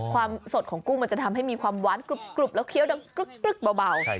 ความสดของกุ้งมันจะทำให้มีความหวานกรุบแล้วเคี้ยวดังกรึ๊กเบา